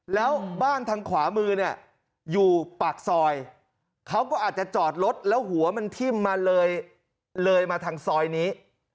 แล้วบ้านทางขวามือเนี่ยอยู่ปากซอยเขาก็อาจจะจอดรถแล้วหัวมันทิ่มมาเลยมาทางซอยนี้